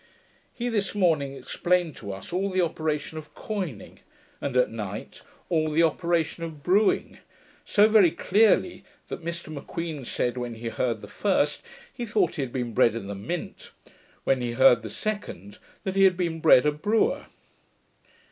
He this morning explained to us all the operation of coining, and, at night, all the operation of brewing, so very clearly, that Mr M'Queen said, when he heard the first, he thought he had been bred in the Mint; when he heard the second, that he had been bred a brewer.